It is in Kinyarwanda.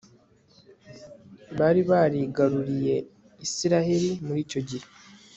bari barigaruriye israheli muri icyo gihe